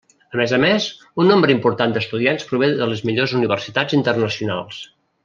A més a més, un nombre important d'estudiants prové de les millors universitats internacionals.